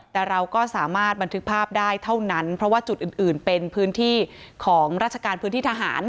แต่เราก็สามารถบันทึกภาพได้เท่านั้นเพราะว่าจุดอื่นเป็นพื้นที่ของราชการพื้นที่ทหาร